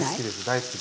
大好き？